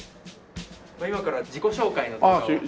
今から自己紹介の動画を。